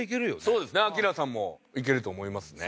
そうですねアキラさんもいけると思いますね。